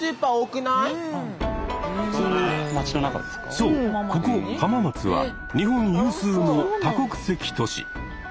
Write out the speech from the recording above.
そうここ浜松は日本有数の多国籍都市。